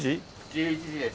１１時です。